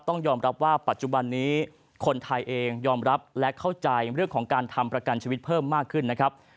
ต้องยอมรับว่าปัจจุบันนี้คนไทยเองยอมรับและเข้าใจเรื่องของการทำประกันชีวิตเพิ่มมากขึ้นนะครับ